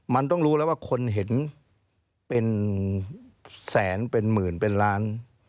มันต้องรู้แล้วว่าคนเห็นเป็นแสนเป็นหมื่นเป็นล้าน